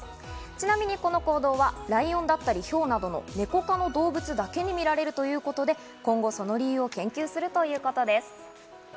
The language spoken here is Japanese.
ちなみにこの行動はライオンだったり、ヒョウなどの猫科の動物だけに見られるということで、今後、その理由を研究するということです。